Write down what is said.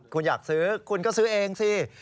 คุณอยากซื้อคุณก็ซื้อเองสิ